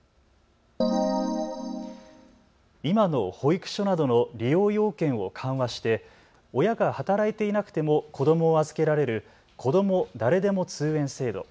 今の保育所などの利用要件を緩和して親が働いていなくても子どもを預けられるこども誰でも通園制度。